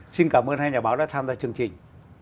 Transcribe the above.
xin cảm ơn hai nhà báo đã tham gia chương trình